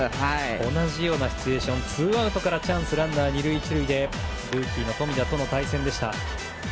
同じようなシチュエーションツーアウトからチャンス、ランナー２塁１塁でルーキーの富田との対戦でした。